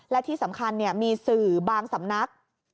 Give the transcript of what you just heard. และที่สำคัญมีสื่อบางสำนัก